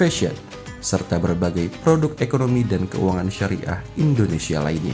mulai dari halal food fesiar serta berbagai produk ekonomi dan keuangan syariah indonesia lainnya